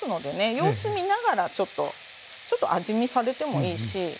様子見ながらちょっと味見されてもいいし。